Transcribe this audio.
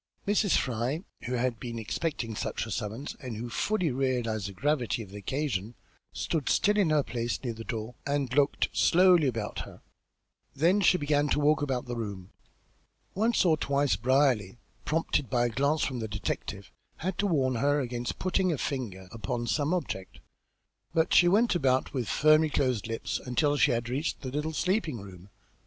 Mrs. Fry, who had been expecting just such a summons and who fully realised the gravity of the occasion, stood still in her place near the door and looked slowly about her; then she began to walk about the room. Once or twice Brierly, prompted by a glance from the detective, had to warn her against putting a finger upon some object, but she went about with firmly closed lips until she had reached the little sleeping room.